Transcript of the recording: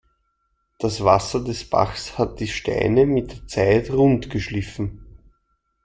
Das Wasser des Bachs hat die Steine mit der Zeit rund geschliffen.